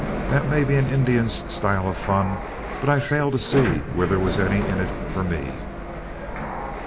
That may be an Indian's style of fun, but I failed to see where there was any in it for me."